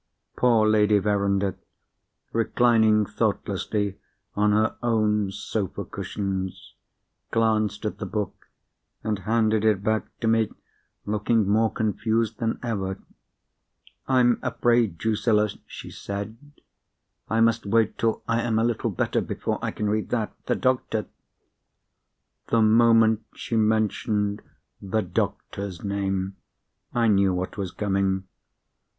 Poor Lady Verinder (reclining thoughtlessly on her own sofa cushions) glanced at the book, and handed it back to me looking more confused than ever. "I'm afraid, Drusilla," she said, "I must wait till I am a little better, before I can read that. The doctor——" The moment she mentioned the doctor's name, I knew what was coming.